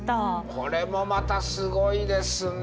これもまたすごいですね。